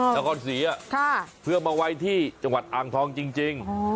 อ๋อจังหวัดสีอ่ะค่ะเพื่อมาไว้ที่จังหวัดอ่างทองจริงจริงอ๋อ